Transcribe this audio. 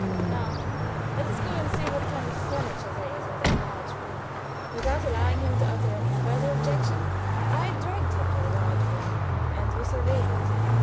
"Now let us go and see what kind of furniture there is in that big room." Without allowing him to utter any further objection, I dragged him to the large room, and we surveyed it.